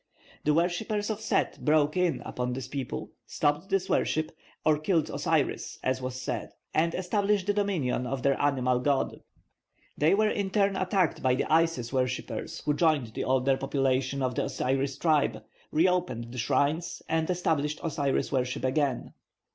The worshippers of Set broke in upon this people, stopped this worship, or killed Osiris, as was said, and established the dominion of their animal god. They were in turn attacked by the Isis worshippers, who joined the older population of the Osiris tribe, re opened the shrines, and established Osiris worship again.